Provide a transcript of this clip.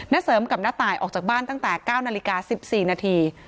เสริมกับน้าตายออกจากบ้านตั้งแต่๙นาฬิกา๑๔นาที